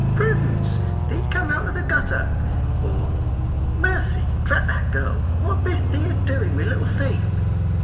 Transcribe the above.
Prudence! thee cum' out o' the gutter;" or, "Mercy! drat the girl, what bist thee a doin' wi' little Faith?"